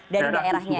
dari daerahnya ya